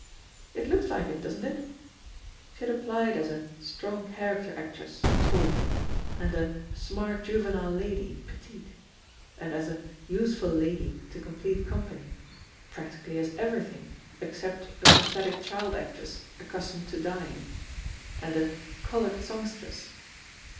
"It looks like it, doesn't it I" She had applied as a "Strong Character Actress (tall)," and a Smart Juvenile Lady (petite)," and as a Useful Lady (to complete company)" — ^prac tically as everything except a "Pathetic Child Actress (accustomed to dying)," and a "Col THE POSITION OF PEGGY HARPER 18 oured Songstress."